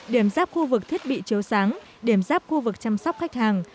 điểm giáp khu vực thiết bị chiếu sáng điểm giáp khu vực chăm sóc khách hàng